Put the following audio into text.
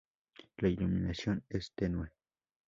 La iluminación es tenue.